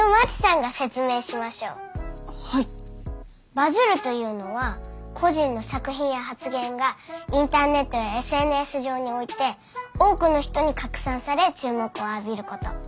バズるというのは個人の作品や発言がインターネットやＳＮＳ上において多くの人に拡散され注目を浴びること。